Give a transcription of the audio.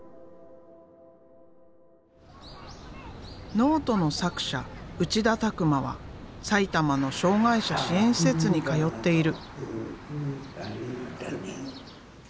ノートの作者内田拓磨は埼玉の障害者支援施設に通っている。